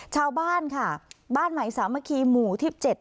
ชาวบ้านค่ะบ้านใหม่สามัคคีหมู่ที่๗